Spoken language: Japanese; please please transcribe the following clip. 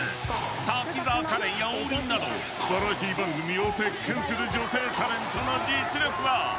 滝沢カレンや王林などバラエティー番組を席巻する女性タレントの実力は。